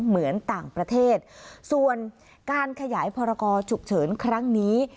เหมือนต่างประเทศส่วนการขยายพรกรฉุกเฉินครั้งนี้